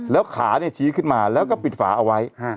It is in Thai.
แล้วขาชี้ขึ้นมาแล้วก็ปิดฝาเอาไว้